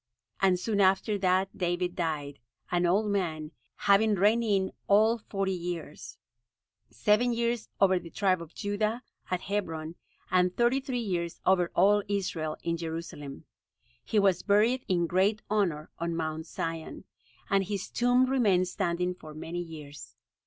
And soon after that David died, an old man, having reigned in all forty years, seven years over the tribe of Judah, at Hebron, and thirty three years over all Israel, in Jerusalem. He was buried in great honor on Mount Zion, and his tomb remained standing for many years.